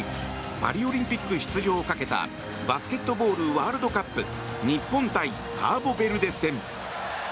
パリオリンピック出場をかけたバスケットボールワールドカップ日本対カーボベルデ戦。